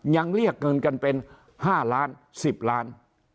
ยังเรียกเงินกันเป็น๕ล้าน๑๐ล้าน